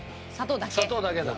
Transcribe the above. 砂糖だけだ。